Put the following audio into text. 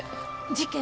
事件？